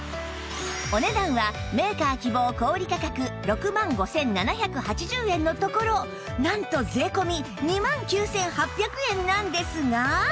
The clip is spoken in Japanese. お値段はメーカー希望小売価格６万５７８０円のところなんと税込２万９８００円なんですが